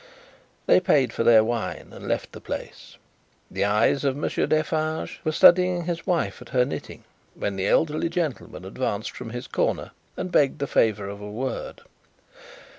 They paid for their wine, and left the place. The eyes of Monsieur Defarge were studying his wife at her knitting when the elderly gentleman advanced from his corner, and begged the favour of a word.